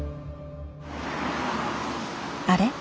あれ？